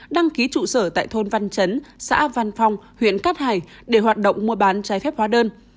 đăng ký trụ sở tại thôn văn chấn xã văn phong huyện cát hải để hoạt động mua bán trái phép hóa đơn